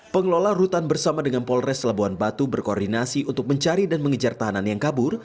pengelola rutan bersama dengan polres labuan batu berkoordinasi untuk mencari dan mengejar tahanan yang kabur